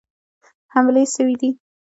حملې سوي دي.